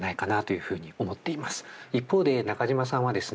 一方で中島さんはですね